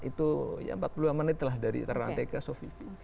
itu ya empat puluh lima menit lah dari rantai ke sovivi